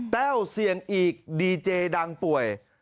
แต้วเสี่ยงอีกดีเจดังป่วย